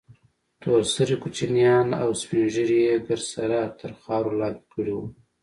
تور سرې کوچنيان او سپين ږيري يې ګرد سره تر خارور لاندې کړي وو.